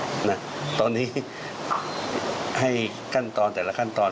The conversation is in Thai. เอาไว้ให้ถึงวันนั้นก่อนตอนนี้ให้ขั้นตอนแต่ละขั้นตอน